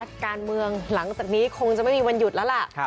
การเมืองหลังจากนี้คงจะไม่มีวันหยุดแล้วล่ะ